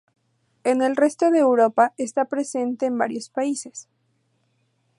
En el resto de Europa está presente en varios países.